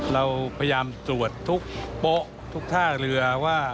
เรากำลังตรวจทุกโป๊ะทุกท่าเรือ